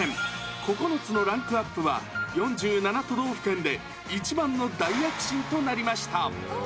９つのランクアップは、４７都道府県で一番の大躍進となりました。